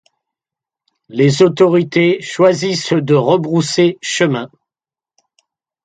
Les autorités choisissent de rebrousser chemin.